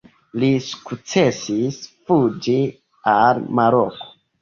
Li sukcesis fuĝi al Maroko.